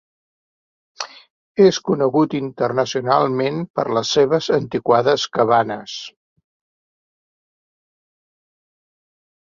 És conegut internacionalment per les seves antiquades cabanes.